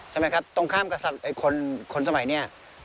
ใช่ไหมครับตรงข้ามกับคนสมัยนี้